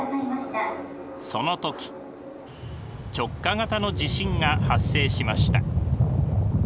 その時直下型の地震が発生しました。